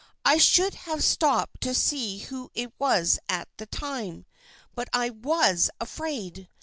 "I should have stopped to see who it was at the time. But I was afraid.